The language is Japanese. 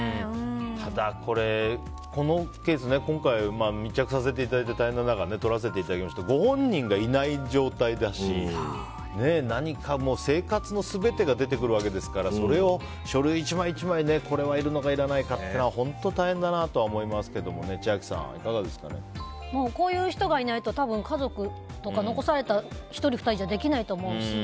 ただ、このケース今回、密着させていただいて大変な中、撮らせていただいてご本人がいない状態だし何か生活の全てが出てくるわけですからそれを書類１枚１枚これは、いるのかいらないのかっていうのは本当大変だなとは思いますけどこういう人がいないと家族とか残された１人、２人じゃできないと思うし。